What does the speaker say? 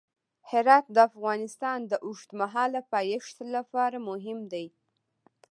هرات د افغانستان د اوږدمهاله پایښت لپاره مهم دی.